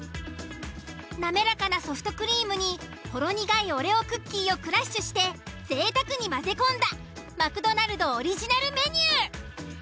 滑らかなソフトクリームにほろ苦いオレオクッキーをクラッシュして贅沢に混ぜ込んだ「マクドナルド」オリジナルメニュー。